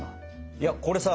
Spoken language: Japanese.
いやこれさ